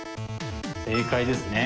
正解ですね。